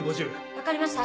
わかりました。